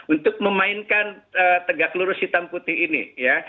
untuk memainkan tegak lurus hitam putih ini ya